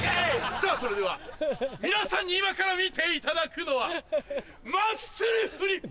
・さぁそれでは皆さんに今から見ていただくのはマッスルフリップ‼